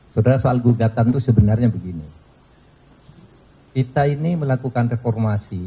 saudara soal gugatan itu sebenarnya begini kita ini melakukan reformasi